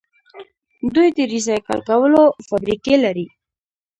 دوی د ریسایکل کولو فابریکې لري.